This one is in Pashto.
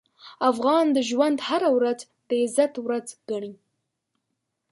افغان د ژوند هره ورځ د عزت ورځ ګڼي.